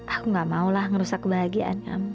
aku gak maulah ngerusak kebahagiaan